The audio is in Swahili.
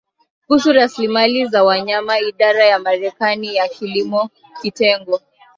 kuhusu Rasilimali za Wanyama Idara ya Marekani ya Kilimo Kitengo